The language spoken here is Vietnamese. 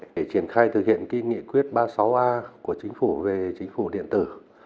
để triển khai thực hiện nghị quyết ba mươi sáu a của chính phủ về chính phủ điện tử